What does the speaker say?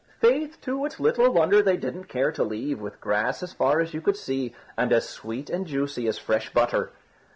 Faith, too, it's little wonder they didn't care to leave, with grass as far as you could see, and as sweet and juicy as fresh butter."